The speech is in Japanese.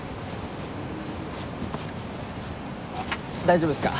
あっ大丈夫ですか？